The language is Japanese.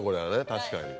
確かに。